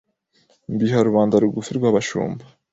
mbiha rubanda rugufi rw’abashumba